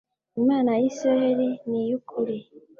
imana ya isirayeli niyukuri